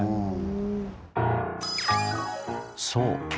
そう。